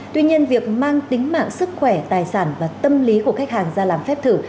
tuy nhiên việc mang tính mạng sức khỏe tài sản và tâm lý của khách hàng ra làm phép thử